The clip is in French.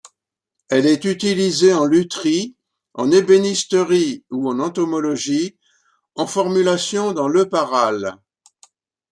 Elle est utilisée en lutherie, en ébénisterie ou en entomologie en formulation dans l'Euparal.